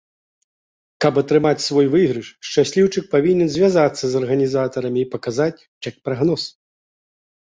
Каб атрымаць свой выйгрыш, шчасліўчык павінен звязацца з арганізатарамі і паказаць чэк-прагноз.